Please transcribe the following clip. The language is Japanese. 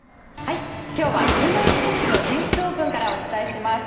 今日は車いすテニスの全仏オープンからお伝えします。